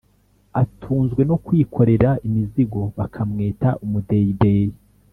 atunzwe no kwikorera imizigo bakamwita umudeyideyi